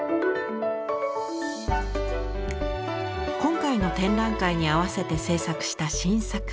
今回の展覧会に合わせて制作した新作。